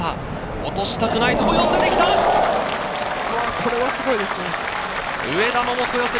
落としたくないところ、寄せてきこれはすごいですよ。